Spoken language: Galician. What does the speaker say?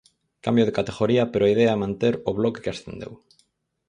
Cambio de categoría pero a idea é manter o bloque que ascendeu.